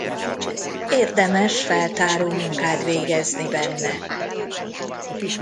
Érdemes feltáró munkát végezni benne.